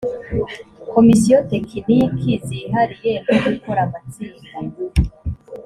komisiyo tekiniki zihariye no gukora amatsinda